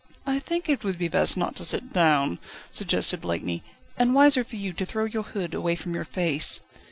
"I think it would be best not to sit down," suggested Blakeney, "and wiser for you to throw your hood away from your face."